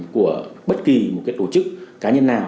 của bất kỳ một cái tổ chức cá nhân nào